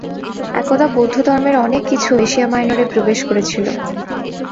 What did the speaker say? একদা বৌদ্ধধর্মের অনেক কিছু এশিয়া মাইনরে প্রবেশ করেছিল।